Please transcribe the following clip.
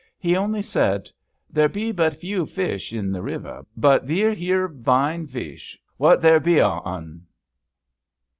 He only said :" There be but vew veesh i' the river, but the' 're vine veesh what there be o' 'un."